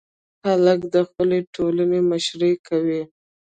هلک د خپلې ټولنې مشري کوي.